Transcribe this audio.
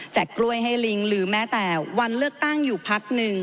กล้วยให้ลิงหรือแม้แต่วันเลือกตั้งอยู่พักหนึ่ง